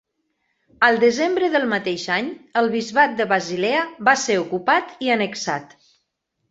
Al desembre del mateix any, el bisbat de Basilea va ser ocupat i annexat.